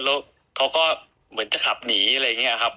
แล้วเขาก็เหมือนจะขับหนีอะไรอย่างนี้ครับ